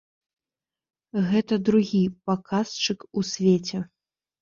Гэта другі паказчык у свеце.